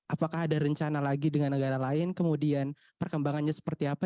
apakah ada rencana lagi dengan negara lain kemudian perkembangannya seperti apa